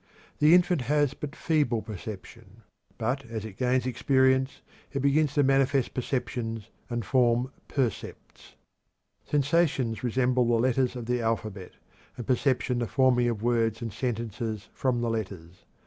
The infant has but feeble perception, but as it gains experience it begins to manifest perceptions and form percepts. Sensations resemble the letters of the alphabet, and perception the forming of words and sentences from the letters.